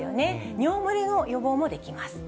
尿漏れの予防もできます。